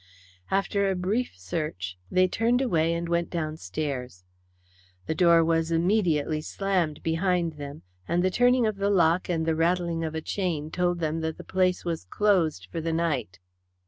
After a brief search they turned away and went downstairs. The door was immediately slammed behind them, and the turning of the lock and the rattling of a chain told them that the place was closed for the night.